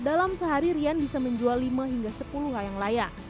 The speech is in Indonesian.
dalam sehari rian bisa menjual lima hingga sepuluh layang layang